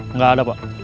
nggak ada pak